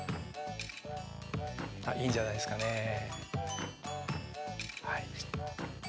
あっいいんじゃないですかねはい。